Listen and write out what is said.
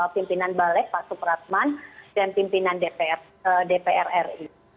pimpinan balik pak supratman dan pimpinan dpr ri